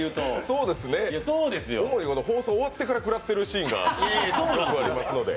そうですね、放送終わってから食らってるシーンがありますので。